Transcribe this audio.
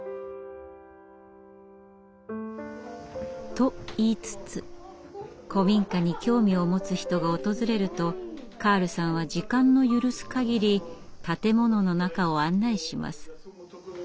と言いつつ古民家に興味を持つ人が訪れるとカールさんは時間の許すかぎり建物の中を案内します。